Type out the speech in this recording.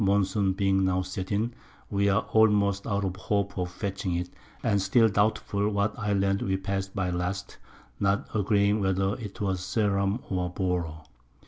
E. Monsoon being now set in, we are almost out of hopes of fetching it, and still doubtful what Islands we pass'd by last, not agreeing whether it was Ceram or Bouro.